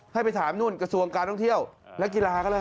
ให้ไปถามนู่นกระทรวงการท่องเที่ยวและกีฬาก็เลย